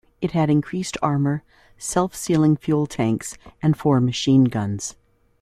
It had increased armor, self-sealing fuel tanks, and four machine guns.